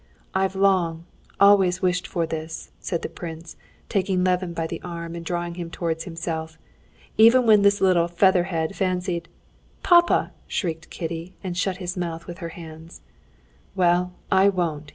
"I've long, always wished for this!" said the prince, taking Levin by the arm and drawing him towards himself. "Even when this little feather head fancied...." "Papa!" shrieked Kitty, and shut his mouth with her hands. "Well, I won't!"